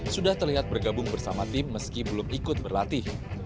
sudah terlihat bergabung bersama tim meski belum ikut berlatih